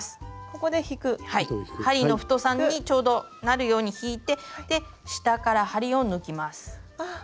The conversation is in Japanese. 針の太さにちょうどなるように引いて下から針を抜きます。